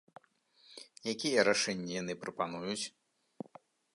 Якія рашэнні яны прапануюць?